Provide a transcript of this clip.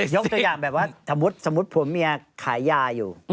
ยกตัวอย่างแบบว่าสมมุติผัวเมียขายยาอยู่